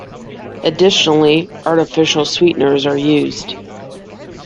Additionally, artificial sweeteners are used.